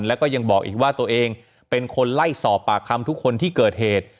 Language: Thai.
แล้วก็ยังบอกอีกว่าตัวเองเป็นคนไล่สอบปากคำทุกคนที่เกิดเหตุ